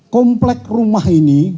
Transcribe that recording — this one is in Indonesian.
komplek rumah ini